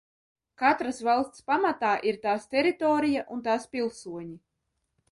Katras valsts pamatā ir tās teritorija un tās pilsoņi.